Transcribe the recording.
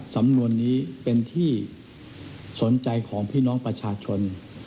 สำนวนนี้เป็นที่สนใจของพี่น้องประชาชน